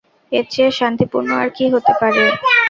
এর চেয়ে শান্তিপূর্ণ আর কী হতে পারে?